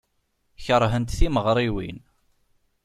Keṛhent timeɣriwin.